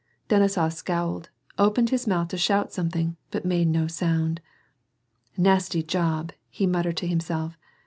Denisof scowled, opened his mouth to shout something, but made no sound. *' Nasty job," he muttered to himself.